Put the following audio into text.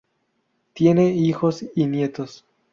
Tiene hijos y nietos.